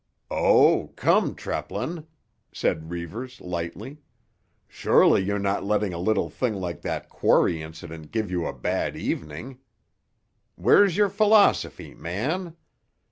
"Oh, come, Treplin!" said Reivers lightly. "Surely you're not letting a little thing like that quarry incident give you a bad evening? Where's your philosophy, man?